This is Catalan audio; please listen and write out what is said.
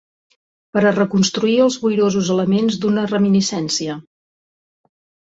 Per a reconstituir els boirosos elements d'una reminiscència